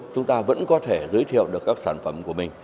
chúng ta vẫn có thể giới thiệu được các sản phẩm của mình